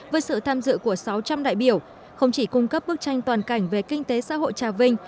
với sự tham dự của sáu trăm linh đại biểu không chỉ cung cấp bức tranh toàn cảnh về kinh tế xã hội trà vinh